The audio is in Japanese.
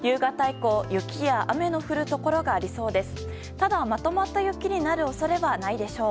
ただ、まとまった雪になる恐れはないでしょう。